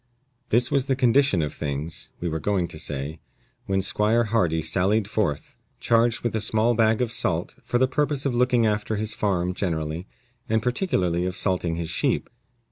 This was the condition of things (we were going to say) when Squire Hardy sallied forth, charged with a small bag of salt, for the purpose of looking after his farm generally, and particularly of salting his sheep.